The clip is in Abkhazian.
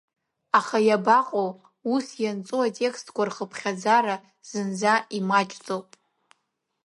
Аха, иабаҟоу, ус ианҵоу атекстқәа рхыԥхьаӡара зынӡа имаҷӡоуп.